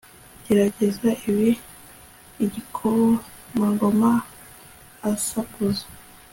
gerageza ibi!' igikomangoma asakuza